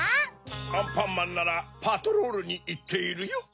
アンパンマンならパトロールにいっているよ。